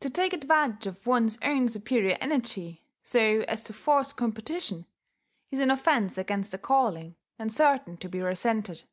To take advantage of one's own superior energy, so as to force competition, is an offence against the calling, and certain to be resented.